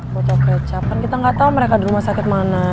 bocok kecap kan kita gak tau mereka di rumah sakit mana